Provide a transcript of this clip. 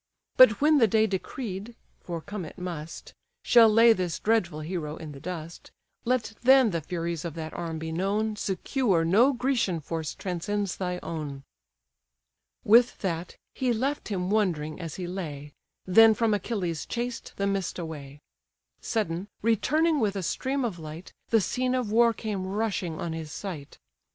But when the day decreed (for come it must) Shall lay this dreadful hero in the dust, Let then the furies of that arm be known, Secure no Grecian force transcends thy own." With that, he left him wondering as he lay, Then from Achilles chased the mist away: Sudden, returning with a stream of light, The scene of war came rushing on his sight.